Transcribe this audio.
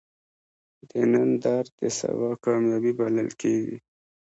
د نن درد د سبا کامیابی بلل کېږي.